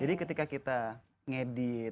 jadi ketika kita ngedit kita color grading